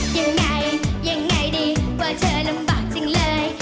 ยังไงยังไงดีว่าเธอลำบากจังเลย